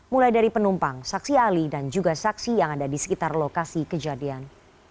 mulai dari penumpang saksi ahli dan juga saksi yang ada di sekitar lokasi kejadian